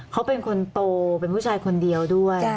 เขาเป็นคนโตเป็นผู้ชายคนเดียวด้วย